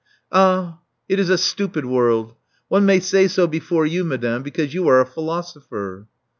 Ah, it is a stupid world! One may say so before you, madame, because you are a philosopher."